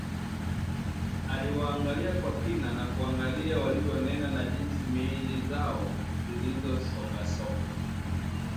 Aliwaangalia kwa kina, na kuangalia walivyonena na jinsi miili zao zilisongasonga